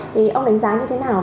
thì ông đánh giá như thế nào